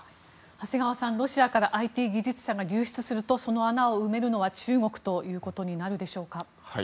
長谷川さん、ロシアからＩＴ技術者が流出すると、その穴を埋めるのは中国ということになるのでしょうか。